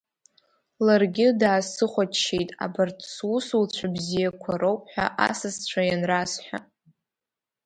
Ларгьы даасыхәаччеит абарҭ сусуцәа бзиақәа роуп ҳәа асасцәа ианрасҳәа.